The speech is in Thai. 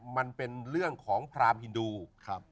มันเป็นเรื่องของพรามฮินดูครับ